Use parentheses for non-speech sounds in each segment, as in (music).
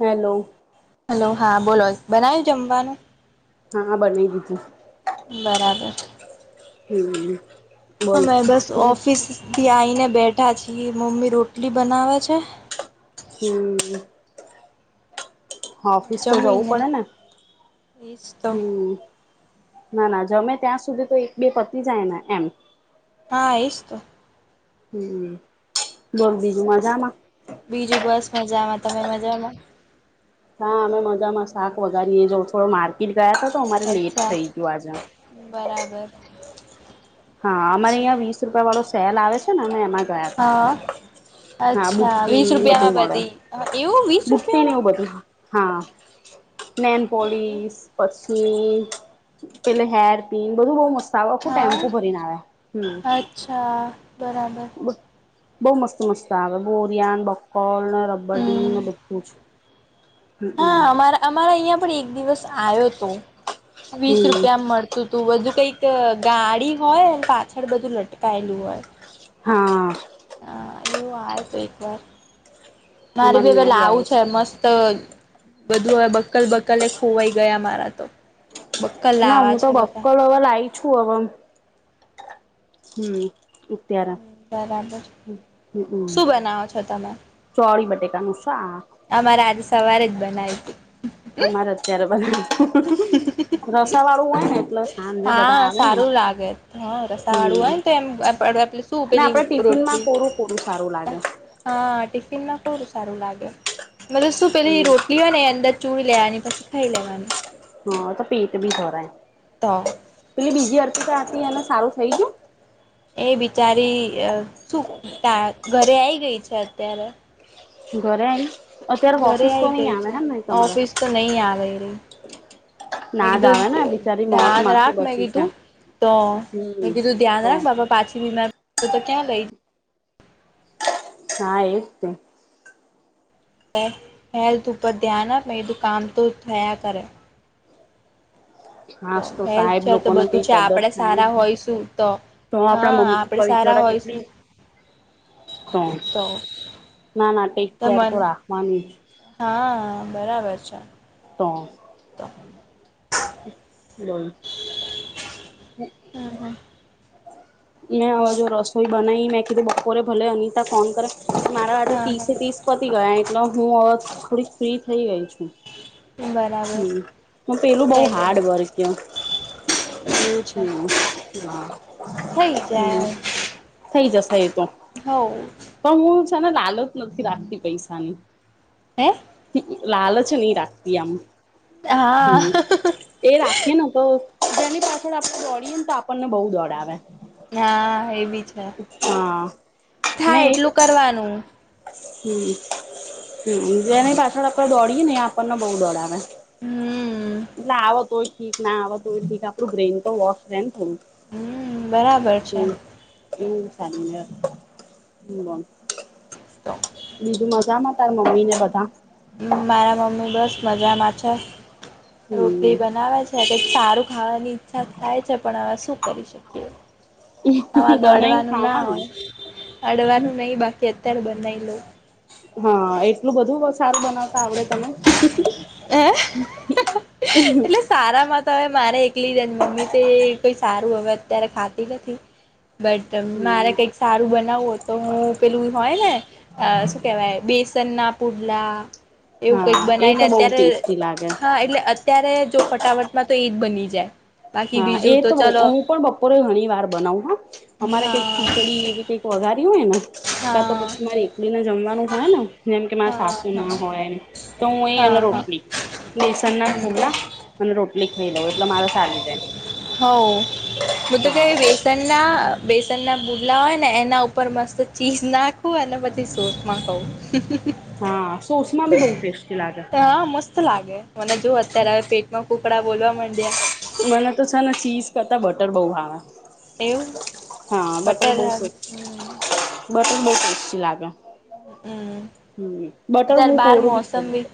Hello. Hello હા બોલો બનાયુ જમવાનું? હા બની ગીતું. બરાબર છે. હમ્મ અમે બસ ઓફિસ થી આવીઈને બેઠા છીએ મમ્મી રોટલી બનાવે છે. હમ્મ ઓફિસ તો જવું જમીને પડે ને એજ તો હમ ના ના જમે ત્યાં સુધી તો એક બે પતી જાય ને એમ હા એજ તો. હમ્મ બસ બીજું મજામાં બીજું બસમાં જા તમે મજામાં. હા અમે મજામાં શાક વગારીએ જો થોડો માર્કેટ ગયા હતા તો અમારે લેટ અચ્છા થઈ ગય આજે બરાબર. હા અમારે અચ્છા અહંયા વીસ રૂપિયા વાળો સેલ આવે છે ને અમે એમાં ગયા ત આજે. હા હા અચ્છા બુટી વીસ બધું રૂપિયામાં મળે બધી એવું વીસ બુટી ને રૂપિયામાં એવું બધું. હા નેલ પોલીસ હા પછી પેલ હેર પિન બધું બઉ મસ્ત આવે આખું ટાઈમપુ ભરીને આવે હમ્મ અચ્છા બરાબર. બઉ મસ્ત મસ્ત આવે બોરિયાન બકર ને રબર હમ ને બધું જ. હમમ હા અમારા અમારા અહિયાં પણ એક દિવસ આવ્યો હતો વીસ હમ રૂપિયા મળતો. તો તું બધું કઈક ગાડી હોય પાછળ બધું લટકાયેલું હોય. હા. હ એવું આ તો એક વાર મારે અમારે બી અહિયાં પેલા આવે આવું છે મસ્ત બધું બકલ બકલે ખોવાઈ ગયા મારા તો. બક્કલ ના લાવા હું તો છે બક્કર બધા હવે લાઈ છું હવેમ હમ્મ ઉત્ય્યારે બરાબર હમમ શું બનાવો છો તમે ચોળી બટેકાનું શાખ અમારે આજે સવારે જ બનાવી હતી. અમારે અત્યારે બધા રસા વાળું હોય ને એટલસ આમ ને બધા હા આવે ને સારું લાગે હા રસા વાળું હમ્મ હોય ને તો એમ આપડે શું અને પેલી આપડે ટિફિન માં રોટલી કોરું થોડું સારું લાગે. હા ટિફિનમાં થોડું સારું લાગે મતલબ શું પેલી હમ રોટલી હોય ને અંદર ચૂડી લેવાની પછી ખાઈ લેવાની. હા તો પેટ ભી ભરાય તો પેલી બીજી અરથ તો હતી અને સારું થઈ ગયું એ બિચારી શું ઘરે આવી ગઈ છે અત્યારે ઘરે આયી ઘરે આયી ગઈ છે ઓફિસ તો નહી આવી રહી મે ના જ કીધું આવે ને બિચારી મોત ધ્યાન માંથી રાખ મે બચી છે કીધું તો મે હમ કીધું ધ્યાન તો રાખ બાપા પાછી બીમાર તો ક્યાં લઈ હા એજતો હેલ્થ ઉપર ધ્યાન આપ એ તો કામ તો થયા કરે. હાસ તો હેલ્થ સાહેબ છે તો લોકો ન બધું કઈ છે કદર આપણે થાયને સારા હોયશું તો હા આપણા મમ્મી આપડે પપ્પા સારા વિચારા હોયશું કેટલી તો ના ના ટેક કેર તો રાખવાની જ. હા બરાબર છે. તો તો બોલ હમ (inaudible) હમ્મ હમ્મ મેં હવે જો રસોઈ બનાઈ મેં કીધું બપોરે ભલે અનિતા ફોન કરે મારા આે હા ત્રીસે હા ત્રીસ પતી ગયા એટલે હું હ થોડીક ફ્રી થઈ ગઈ છું. બરા હમ હું પેલું બઉુ હાર્ડ વર્ક કયો એવું છે હમ હમ થઈ હમ થઈ જશે એ તો હવ પણ હું છે ને લાલચ નથી રાખતી પૈસાની હે લાલચ નહી રાખતી આમ હા હમ એ રાખીએ ને તો જેની પાછળ આપડે દોડીએ ને તો આપણને બહુ દોડાવે હા એ બી છે હા થાય મેં એટલું એક કરવાનું હમ હમ જેની પાછળ આપડે દોડીએે ને આપણને બઉ દોડાવે હમ એટલે આવ તોય ઠીક ના આવ તોય ઠીક આપડું બ્રેન તો વોશ રહે ને થયું હમ બરાબર છે (unintelligible) તો બીજું મજામાં તાર મમ્મી ને બધા મારા મમ્મી બસ મજામાં છે હમ રોટલી બનાવે છે સારું ખાવાની ઈચ્છા થાય છે પણ હવે શું કરી શકીએ અમાર તો બનાવીને અડવાનું ના ખાવાનું હોય અડવાનું નહી બાકી અત્યારે બનાવી લઉ હા એટલું બધું સારુ બનાવતા આવડે તને (inaudible) તારામાં તો હવે મારે એકલી જે મમ્મી તો કઈ સારું હવે અત્યારે ખાતી નથી બટ મારે હમ કઈક સારું બનાવવું તો હું પેલું હોય ને અ શું કેવાય બેસન ના પુડલા એવું કઈક હા એ બનાય ને તો બહુ અત્યારે ટેસ્ટી લાગે હા એટલે અત્યારે જો ફટાફટમાં તો એ જ બની જાય બાકી હા એ બીજું તો ચલો હું પણ બપોરે ઘણી વાર બનાવું હા અમારે કઈક હા ખીચડી એવી કંઈક વઘારી હોયને હા કા તો પછી હા મારી બને જમવાનું હોય ને જેમ કે મારા સાસુ હા ના હોય તો હું એ હા અને હા રોટલી બેસન ના હમ ફૂગલા મને રોટલી ખઈ લઉ એટલે મારે સાલી જાય ને હવ હું તો ક્યારે બે સન ના બેસન ના બુટલા હોય ને એના ઉપર મસ્ત ચીઝ નાખું અને પછી સોસમાં ખઉ (inaudible) હા સોસ માં બી બહુ ટેસ્ટી લાગે હા મસ્ત ત લાગે મને જો અત્યારે હવે પેટમાં કુકડા બોલવા માંડ્યા મને તો છે ને ચીઝ કરતા બટર બઉ ભાવે એવું હા બટર બઉ બટર બઉ ટેસ્ટી લાગે હમ હમ બટર અત્યારે હું બાર કોરું મોસમ ખરું બી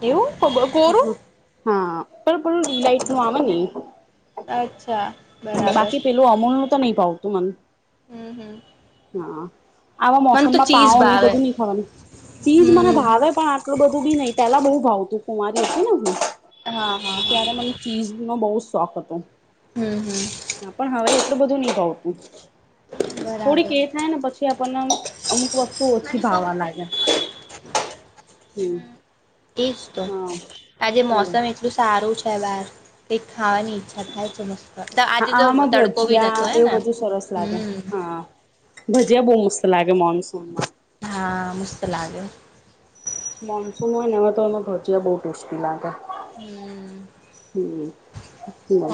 કેવું કોરું હા પણ પેલું રી લાઈટ નું આવે એ અચ્છા બરાબર બાકી પેલું અમૂલ નું તો નહી ભાવતું મન હમ હમ હા આવા મને તો મોસમમાં ચીઝ પાવ એ ભાવે બધું નહી ખાવાનું ચીજ મને હમ ભાવે પણ આટલું બધું બી નહી પેલા બહુ ભાવ તું કુમારી છે ને હું હા હા હા ત્યારે મને ચીઝ નો બઉ જ શોક હતો હમ હમ હા પણ હવે એટલું બધું નહી ભાવતું થોડીક બરાબર એ થાય ને પછી આપણને અમુક વસ્તુ ઓછી ભાાવવા લાગે હમ એજ તો આજે હા મોસમ એટલું સારું છે બહાર કે ખાવાની અચ્છા ખાય છે મસ્ત હા આજે તો આવામાં તડકોી નહતો ભજીયા હોે એવું ને બધું સરસ હમ હા ભજીયા બહ મસ્ત લાગે મોનસૂનમાં હા મુસ્ત લાગ્યો મોન્સૂન હોય ને એમાં તો એમાં ભજીયા બઉુ ટુસ્ટી લાગે હમ હમ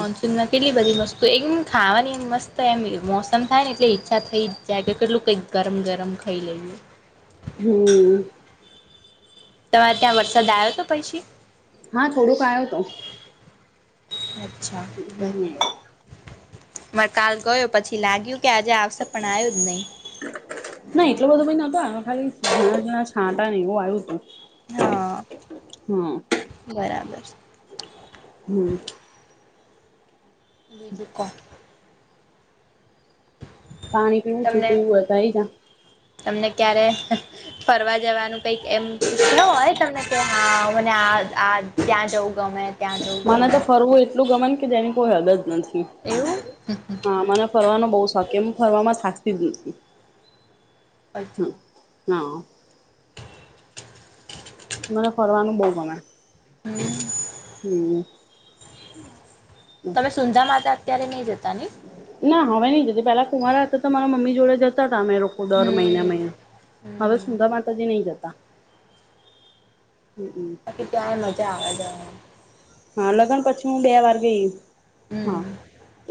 મનસુનમાં કેટલી બજી મસ્ તો એકમ ખાવાની એમ મસ્ત એમ મોસમ થાય ને એટલે તા થઈ જકે કેટલું કંઈક ગરમ ગરમ ખાઈ લઈું હમ તમારે ત્યાં વરસાદ આવ્યો તો પૈસે હા થોડુંક આવ્યો હતો અછા હમ બરાબર મ કાલ ગયો પછી લાગ્યું કે આજે આવશેપ પણ આવું જ નહીં ના એટલ બધો ભ નતો ખાલી ઝીણા જીણા છાંટ ને એવું આવ્યું હતું હા હમ બરાબર હમ બીજ ક પાણી કે તમને છુપી હતા જા તમને ક્યારે ફરવા જવાનું કઈક એમ કે હોય તમને ક હા મને આ આ ત્યાં જવું ગમે ત્યાં જવું મને ગમે તો ફરવું એટલું ગમેન કે જેની કોઈ હદ જ નથી એવું હા મને ફરવાનો બહુ શોક એમ ફરવાવામાં શાકતી જ નથી હ અચ્છા હા મને ફરવાનું બહુ ગમે હમ હમ તમે સુંંધા માતા અત્યારે નહી જતા ને ના હવે નઈ જતી પેલા કુંમારા હતા તો મારા મમ્મી જોડે જતા હતા અમે રોક દર હમ મહિના મહિના હવે હમ સુંદા માતાજી નહ જતા હ ત્યાં મજા આવે જવા હા લગ્ન પછી હું બે વાર ગઈ હા હમ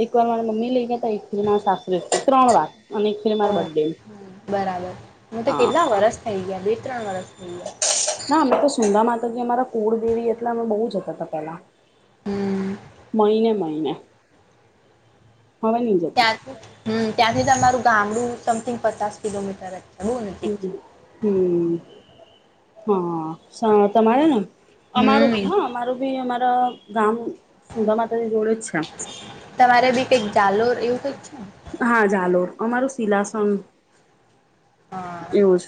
એક વાર મારા મમ્મી લઈ ગયા ત મા સાસરે ત્રણ વાર અને ઓ મારા બર્ ડે હમ બરાબર હું તો હા કેટલા વરસ થઈ ગ બેી ત્રણ વર્ષસ થઈયા ના અમે તો સુંધા માતાજી અમારા કુળદેવી એટલા અમે બહુ જતા હતા પેલા હમ મહને મહને ત્યાંથી હમ ત્યાંથી તમારું ગામડું સમથિંગ પચાસ કિલોમીટર જ છે બહુ હ નજીક છે હમ હા તમારે ને અમારું બી હમ હા અમારું બી અમારા ગામ સુંદા માતાજી જોડે જ છે તમારે બી કઈક જાલોર એવું કઈક છે ને હા ાલો અમારું શિલાસન હા એવું જ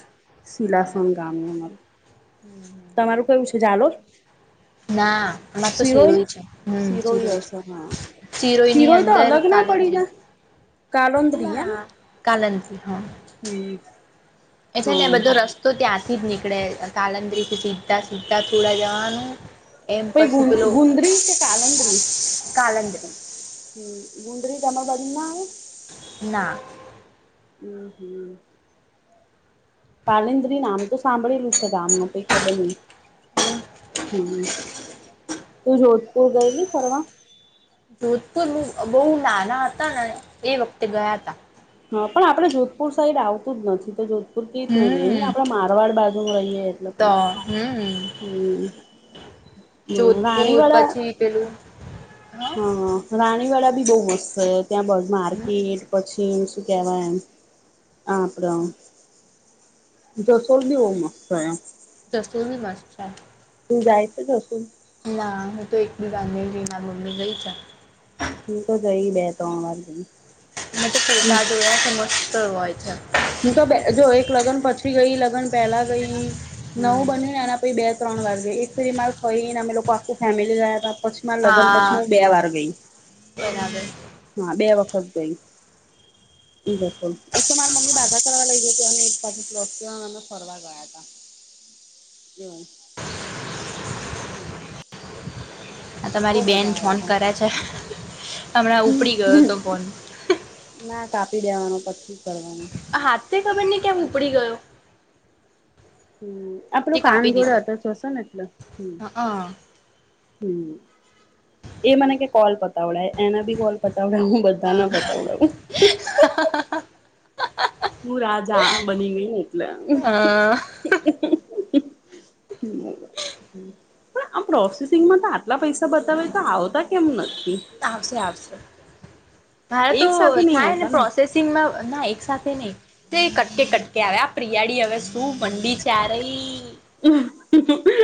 શીલાસન બરાબર ગામ અમારું તમારું કેવું છે ચાલો ના અમાર તો શિરો સિરોઈ છે હમ શિરો સિરોઈ હશે છે હા સિરોઈની શિરોય તો અંદર અલગ ના પડીે કાલંદરી ગ કાલંદરી એમ ચાાલંત હા હમ એછ ને હા બધો રસ્તો ત્યાંથી જ નીકળે તાાલંદ્રીથી સીધા સીધા થોડા જવાનું એમ પ ગ પછી પેલો ગુંદરી કે કલંદરી કાલંદરી હ ગુંડરી તમામાં બરી નાું ના હમ હમ પાલેન્દ્રી નામ તો સાંભળેલું છે ગામ ન કઈ ખબર નહી હમ તું જોધપુર ગયલી ફરવા જોધપુર બહુ નાના હતા ને એ વખતે ગયા હતા હા પણ આપણે જોધપુર સાઈડ આવતું જ નથી તો જો ર ક જ ન જઈએ ન હમ આપડ મારવાડ બાજુ રહીએે એટલે તો કઈ હમ હમ હમ રાણી જોધપુર વાળા પછી પેલું હ રાણીવાડા બી બહુ મસ્ત છે ત્યાં બસ માર્કેટ પછી સુ કેવા હ અપડ જોસોલધી વ મસ્ત જસુંજી મસ્ છે હ જાય છો જકું ના હું તો એક બીજાને રીના બમને ગઈ છે તો જઈ બે તોણ વા દને મ ફતા જોયા સમસ્ત હોય છે હું તો જો એક લગ્ન પછી ગઈ લગ્ન પહેલા ગઈ નવું હમ બન્યું ને એના તોઈ બે ત્રણ વાર ગઈ એક સુધી મારે થઈને અમે લોકો આખું ફેમિલી ગયા હતા કચ્છમાં લગ્ન પછી હા હું બે વાર ગઈ બરાબર હા બે વખત ગઈ જસ બાધા કરવા લઈ ગ હતી અને એક બાજુ પ્લોસ અમે ફરવા ગયા હતા હમ હમ આ તમારી બેન આવે ફોન પણ કરે છે હમણાં ઉપડી ગયો હતો ફોન ના કાપી દેવાનો પછી કરવાનો હાથ ખબર નહ કે્યાં ઉપડી ગયો હમ હજી આપડું કાન કાપી દીધો જોડેટ જશો ને એટલે હ હઅ હમ એ મને કે કોલ પતાવડાય એના બી કોલ પતાવડ બધાને બતાવડાવું હ હું રાજા બની ગઈ એટલે અ હ હમ પણ આ પ્રોસેસિંગમાં તો આટલા પૈસા બતાવે તો આવતા કેમ નથી આવશે આવશે મારે તો એક સાથે નહી થાય ને આવતા પ્રોસેસ સિંગમાં ના એકસાથે નહી એ કટકે કટકે આવે આ પ્રિયાળી હવે શું મંડી ચ્યારે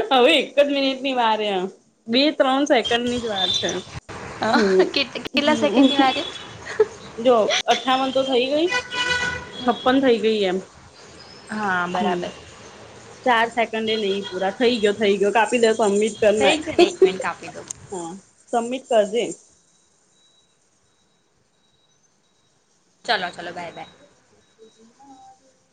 હ હવે એક જ મિનિટ ની વાર એ બે ત્રણ સેકન્ડ ની જ વાર છે હમ કેટલા સેકન્ડની હ વાગે જો અઠ્ઠાવન તો થઇ ગઈ છપ્પન થઈ ગઈ એમ હા હમ બરાબર ચાર સેકન્ડ એ નહ પૂરા થઈ ગયો થઈ ગયો કાપી દે સબમિટ કર નાય થઈ ગયું ને એક મિનિટ કાપી દો હા સબમિટ કરજે ચાલલો ચાલો બાય બાય જના